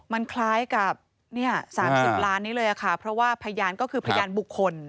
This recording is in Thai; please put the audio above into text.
มันคล้ายกับ๓๐ล้านนี้เลยค่ะเพราะว่าพยานก็คือพยานบุคคล